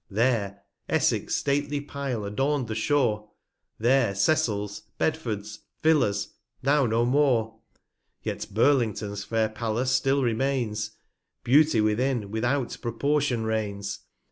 There Essex stately Pile adorn'd the Shore, There Cecil's^ Bedford's, Fillers, now no more. 370 Yet Burlington 's fair Palace still remains ; Beauty within, without Proportion reigns.